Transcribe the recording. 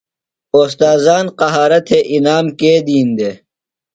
اوستاذان قہارہ تھےۡ انعام کے دِین دےۡ؟